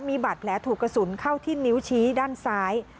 มีบาดแผลถูกกระสุนเข้าที่นิ้วชี้ด้านซ้าย